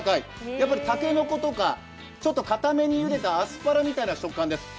やっぱり竹の子とかちょっとかためにゆでたアスパラみたいな食感です。